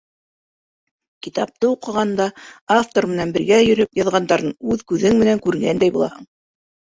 Китапты уҡығанда автор менән бергә йөрөп, яҙғандарын үҙ күҙең менән күргәндәй булаһың.